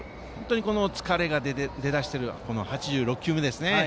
疲れが出だしている８６球目ですね。